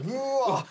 あっ！